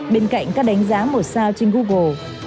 bên cạnh các đánh giá một sao trên google